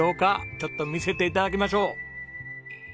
ちょっと見せて頂きましょう。